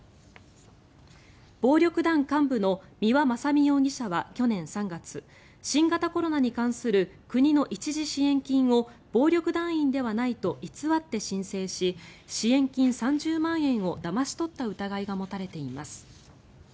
暴力団幹部の三輪正美容疑者は去年３月新型コロナに関する国の一時支援金を暴力団員ではないと偽って申請し、支援金３０万円をだまし取った疑いが持たれています。